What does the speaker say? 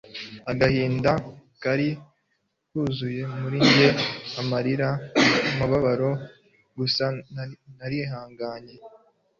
agahinda kari kuzuye murijye amarira umubabaro gusa narihanganye